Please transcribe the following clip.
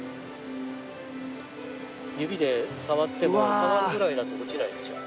指で触っても触るぐらいだと落ちないですよ。